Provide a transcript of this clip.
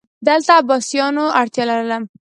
دلته عباسیانو اړتیا لرله